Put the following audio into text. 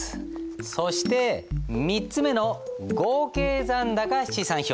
そして３つ目の合計残高試算表。